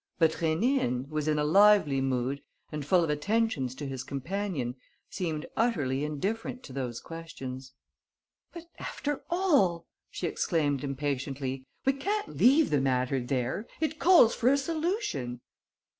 But Rénine, who was in a lively mood and full of attentions to his companion, seemed utterly indifferent to those questions. "But, after all," she exclaimed, impatiently, "we can't leave the matter there! It calls for a solution."